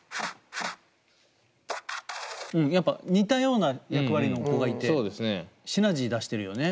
うんやっぱ似たような役割の子がいてシナジー出してるよね。